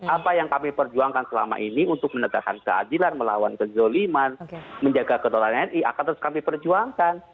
apa yang kami perjuangkan selama ini untuk menegakkan keadilan melawan kezoliman menjaga kedaulatan tni akan terus kami perjuangkan